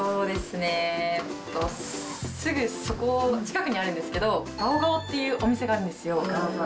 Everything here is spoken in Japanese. すぐそこ、近くにあるんですけど、ガオガオっていうお店があるんですよ。